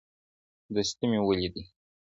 دستي مي ولیدې.